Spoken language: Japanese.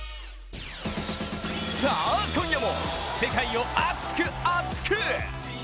さあ、今夜も世界を熱く厚く！